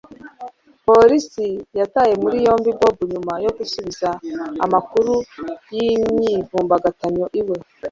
Polisi yataye muri yombi Bobo nyuma yo gusubiza amakuru yimyivumbagatanyo iwe